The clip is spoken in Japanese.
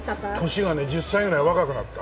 年がね１０歳ぐらい若くなった。